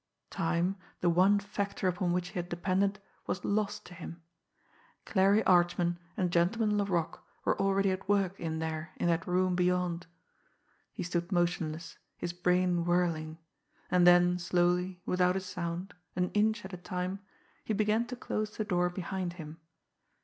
Time, the one factor upon which he had depended, was lost to him; Clarie Archman and Gentleman Laroque were already at work in there in that room beyond. He stood motionless, his brain whirling; and then slowly, without a sound, an inch at a time, he began to close the door behind him.